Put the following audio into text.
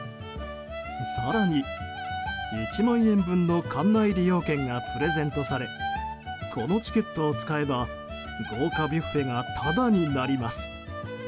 更に１万円分の館内利用券がプレゼントされこのチケットを使えば豪華ビュッフェがタダになります。